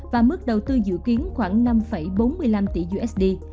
và mức đầu tư dự kiến khoảng năm bốn mươi năm tỷ usd